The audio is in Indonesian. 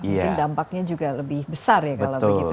mungkin dampaknya juga lebih besar ya kalau begitu